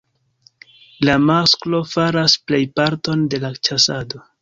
La masklo faras plej parton de la ĉasado.